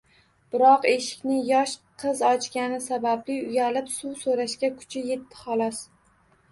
Biroq eshikni yosh qiz ochgani sababli uyalib, suv soʻrashga kuchi yetdi, xolos